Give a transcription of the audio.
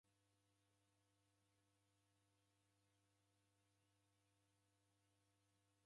Serikali etesia zoghori ndini ndini cha mzinyi mzedu.